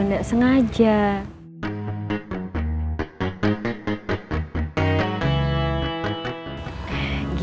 aduh ini apa lagi